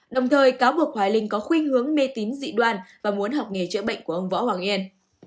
đồng thời cáo buộc hoài linh có khuyên hướng mê tín dị đoan và muốn học nghề chữa bệnh của ông võ hoàng yên